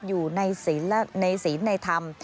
อยู่ในศีลในธรรม